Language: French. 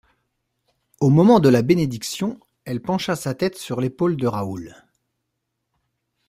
Au moment de la bénédiction, elle pencha sa tête sur l'épaule de Raoul.